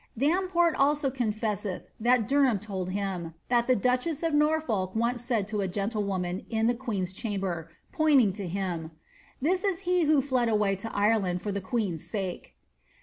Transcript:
Damport also confesseth that Derham told him, that the duchess of Norfolk once said to a gentlewoman, in the queen's chamber, point ing to him, ' This is he who fled away to Ireland for the queen's sake.'